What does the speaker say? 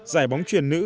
giải bóng truyền nữ